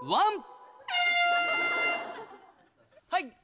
はい！